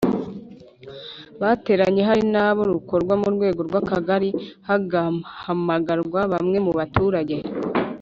bateranye hari n aho rukorerwa ku rwego rw Akagari hagahamagarwa bamwe mu baturage